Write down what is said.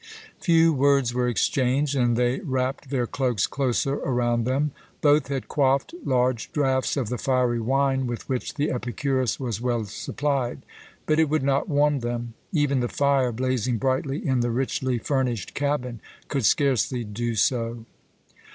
Few words were exchanged, and they wrapped their cloaks closer around them. Both had quaffed large draughts of the fiery wine with which the Epicurus was well supplied, but it would not warm them. Even the fire, blazing brightly in the richly furnished cabin, could scarcely do so.